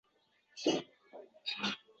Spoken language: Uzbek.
Balki, charchagandirsiz